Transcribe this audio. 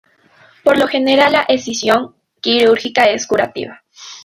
Por lo general la escisión quirúrgica es curativa.